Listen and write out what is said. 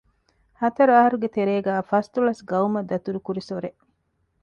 ހަތަރު އަަހަރުގެ ތެރޭގައި ފަސްދޮޅަސް ގައުމަށް ދަތުރު ކުރި ސޮރެއް